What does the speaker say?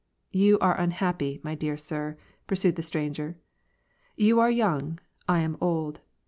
"You are unhappy, my dear sir," pursued the stranger, " You are young, I am old.